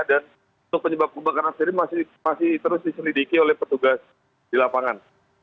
dan penyebab kebakaran sendiri masih terus diselidiki oleh petugas di lapangan